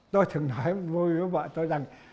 tôi thường nói với vợ tôi rằng